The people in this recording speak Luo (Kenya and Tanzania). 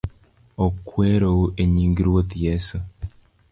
Okweuru enying Ruoth Yesu